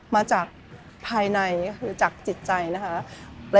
มาจากภายในคือจากจิตใจนะคะ